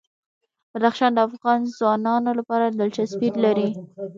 بدخشان د افغان ځوانانو لپاره دلچسپي لري.